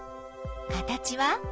形は？